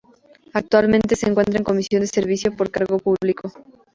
Actualmente se encuentra en comisión de servicio por cargo público.